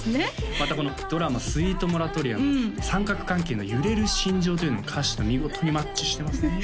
またこのドラマ「スイートモラトリアム」三角関係の揺れる心情というのも歌詞と見事にマッチしてますね